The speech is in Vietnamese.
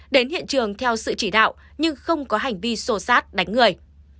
đến hiện trường theo sự chỉ đạo nhưng không có hành vi xô xát đánh người